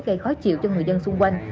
gây khó chịu cho người dân xung quanh